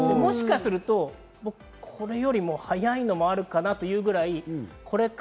もしかすると、これよりも早いのもあるかなというくらい。